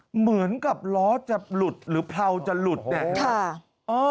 เหมือนกับล้อจะหลุดหรือเผลาจะหลุดเนี่ย